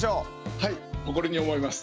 はい誇りに思います。